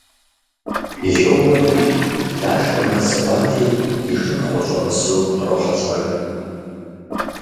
Йоуэри, Лашэ мэз кӏуати, и шыпхъур щӏэмысу кърохьэлӏэж.